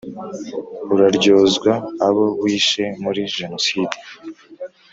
Uraryozwa abo wishe muri genoside